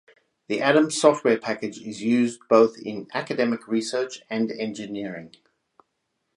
The Adams software package is used both in academic research and engineering.